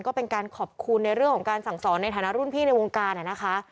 ก็เป็นการขอบคุณในเรื่องของการสั่งสอนในฐานะรุ่นพี่ในวงการนะคะ